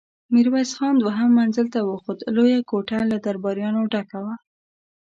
ميرويس خان دوهم منزل ته وخوت، لويه کوټه له درباريانو ډکه وه.